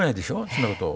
そんなことを。